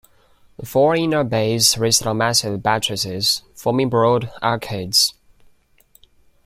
The four inner bays rest on massive buttresses, forming broad arcades.